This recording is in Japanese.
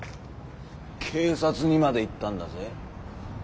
警察にまで行ったんだぜ。